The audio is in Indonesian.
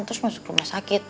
terus masuk rumah sakit